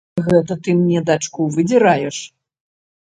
Гэта ты мне дачку выдзіраеш!